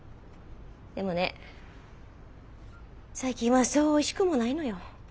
でもね最近はそうおいしくもないのよ。